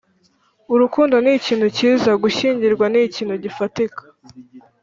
urukundo nikintu cyiza, gushyingirwa nikintu gifatika